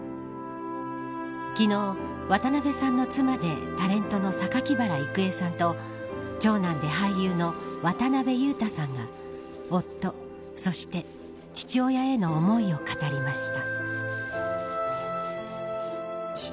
昨日、渡辺さんの妻でタレントの榊原郁恵さんと長男で俳優の渡辺裕太さんが夫、そして父親への思いを語りました。